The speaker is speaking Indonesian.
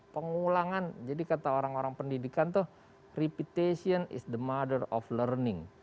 pengulangan jadi kata orang orang pendidikan itu repitation is the mother of learning